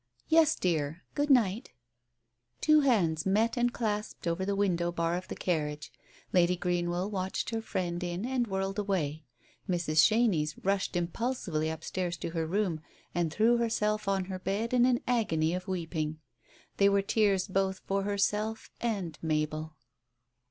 "Yes, dear. Good night !" Two hands met and clasped over the window bar of the carriage. Lady Green well watched her friend in, and whirled away. Mrs. Chenies rushed impulsively upstairs to her room, and threw herself on her bed in an agony of weeping. They were tears both for herself and Mabel.